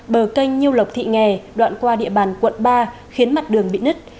bờ canh nhiêu lộc thị nghè đoạn qua địa bàn quận ba khiến mặt đường bị nứt